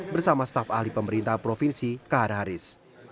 bersama staf ahli pemerintah provinsi kahar haris